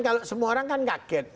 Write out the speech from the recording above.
kalau semua orang kan kaget